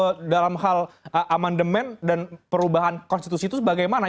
kami sendiri dalam hal amendement dan perubahan konstitusi itu bagaimana